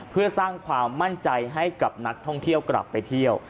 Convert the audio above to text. เพื่อสร้างความมั่นใจให้กับนักท่องเที่ยวกลับไปเที่ยว